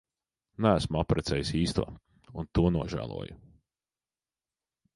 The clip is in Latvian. Neesmu apprecējis īsto un to nožēloju.